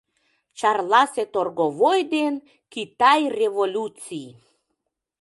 ЧАРЛАСЕ ТОРГОВОЙ ДЕН КИТАЙ РЕВОЛЮЦИЙ